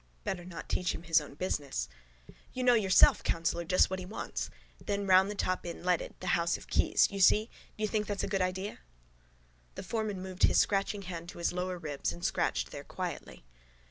Better not teach him his own business. —You know yourself, councillor, just what he wants. Then round the top in leaded: the house of keys. You see? Do you think that's a good idea? The foreman moved his scratching hand to his lower ribs and scratched there quietly.